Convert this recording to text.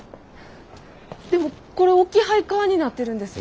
でもこれ置き配「可」になってるんです。